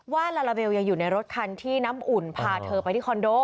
ลาลาเบลยังอยู่ในรถคันที่น้ำอุ่นพาเธอไปที่คอนโด